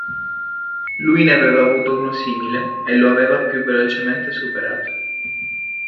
Lui ne aveva avuto uno simile e lo aveva più velocemente superato.